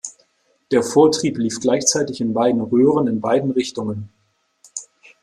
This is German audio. Der Vortrieb lief gleichzeitig in beiden Röhren in beiden Richtungen.